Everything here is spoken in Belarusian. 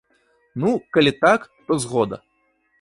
Ну, калі так, то згода!